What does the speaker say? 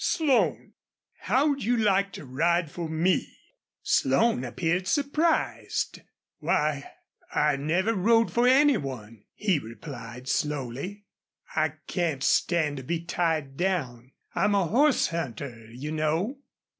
"Slone, how'd you like to ride for me?" Slone appeared surprised. "Why, I never rode for any one," he replied, slowly. "I can't stand to be tied down. I'm a horse hunter, you know."